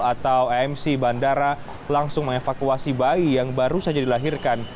atau amc bandara langsung mengevakuasi bayi yang baru saja dilahirkan